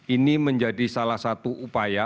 ini menjadi salah satu upaya